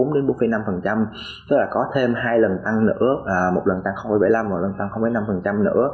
tức là có thêm hai lần tăng nữa một lần tăng bảy mươi năm và một lần tăng năm nữa